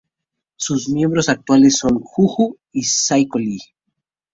Sus miembros actuales son JuJu y Psycho Les.